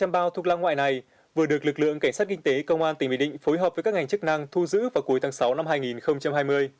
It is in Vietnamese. một trăm linh bao thuốc lá ngoại này vừa được lực lượng cảnh sát kinh tế công an tỉnh bình định phối hợp với các ngành chức năng thu giữ vào cuối tháng sáu năm hai nghìn hai mươi